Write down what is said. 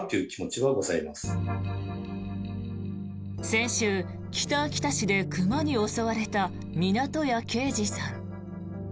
先週、北秋田市で熊に襲われた湊屋啓二さん。